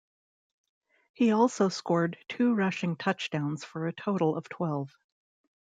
He also scored two rushing touchdowns, for a total of twelve.